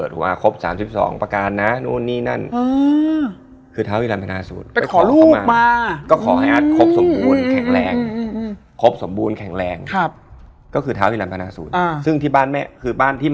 ตายแล้วไม่น่าเชื่อ